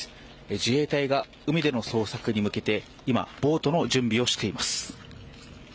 自衛隊が海での捜索に向けて今、ボートの準備をしています。